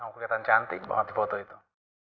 aku kelihatan cantik banget di foto itu